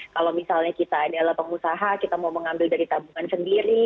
kalau misalnya kita adalah pengusaha kita mau mengambil dari tabungan sendiri